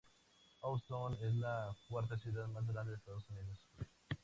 Houston es la cuarta ciudad más grande de Estados Unidos.